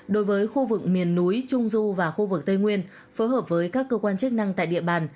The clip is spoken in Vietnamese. đối với khu vực miền núi trung du và khu vực tây nguyên phối hợp với các cơ quan chức năng tại địa bàn